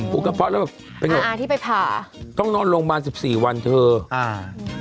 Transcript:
ปลูกกับเพราะแล้วไปเกิดอะไรกันขอบคุณค่ะเหมือนกับเขาต้องนอนโรงพยาบาล๑๔วันเถอะ